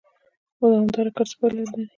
دوامدار کار څه پایله لري؟